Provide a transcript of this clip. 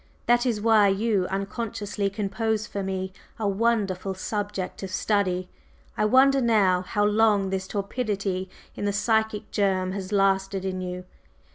That is why you unconsciously compose for me a wonderful subject of study. I wonder now, how long this torpidity in the psychic germ has lasted in you?